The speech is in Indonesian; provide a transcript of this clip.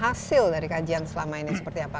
hasil dari kajian selama ini seperti apa